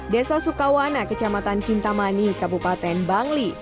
desa sukawana kecamatan kintamani kabupaten bangli